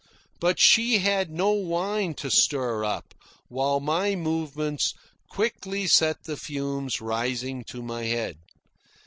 But she had no wine to stir up, while my movements quickly set the fumes rising to my head.